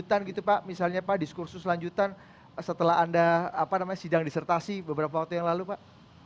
lanjutan gitu pak misalnya pak diskursus lanjutan setelah anda sidang disertasi beberapa waktu yang lalu pak